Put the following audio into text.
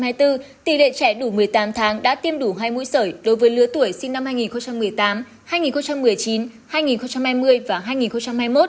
tỷ lệ trẻ đủ một mươi tám tháng đã tiêm đủ hai mũi sởi đối với lứa tuổi sinh năm hai nghìn một mươi tám hai nghìn một mươi chín hai nghìn hai mươi và hai nghìn hai mươi một